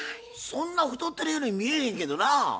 そんな太ってるように見えへんけどなぁ。